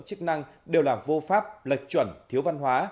chức năng đều là vô pháp lệch chuẩn thiếu văn hóa